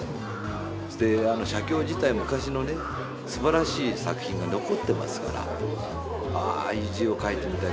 そして写経自体昔のすばらしい作品が残ってますから「あああいう字を書いてみたい